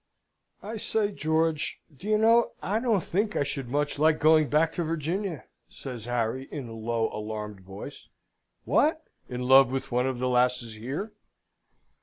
"I say, George! Do you know, I don't think I should much like going back to Virginia?" says Harry, in a low, alarmed voice. "What! in love with one of the lasses here?"